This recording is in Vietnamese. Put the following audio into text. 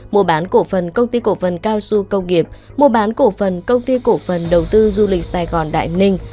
mua bán cổ phần công ty cổ phần cao xu công nghiệp mua bán cổ phần công ty cổ phần đầu tư du lịch sài gòn đại ninh